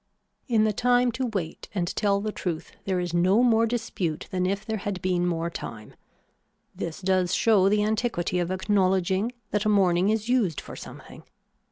In the time to wait and tell the truth there is no more dispute than if there had been more time. This does show the antiquity of acknowledging that a morning is used for something.